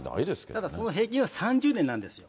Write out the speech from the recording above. ただ平均は３０年なんですよ。